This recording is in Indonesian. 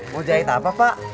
mau jahit apa pak